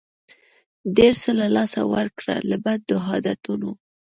ډېر څه له لاسه ورکړه لکه بد عادتونه.